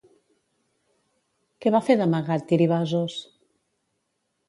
Què va fer d'amagat Tiribazos?